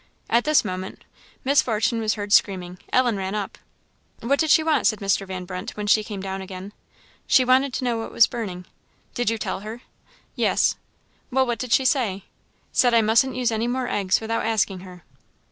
At this moment Miss Fortune was heard screaming; Ellen ran up. "What did she want?" said Mr. Van Brunt, when she came down again. "She wanted to know what was burning." "Did you tell her?" "Yes." "Well, what did she say?" "Said I mustn't use any more eggs without asking her."